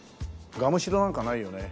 ガムシロなんかないよね？